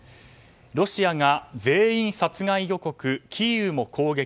ロシアが全員殺害予告キーウも攻撃。